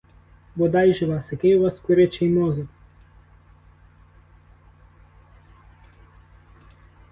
Бодай же вас, який у вас курячий мозок!